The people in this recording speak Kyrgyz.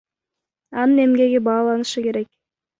Анын эмгеги бааланышы керек.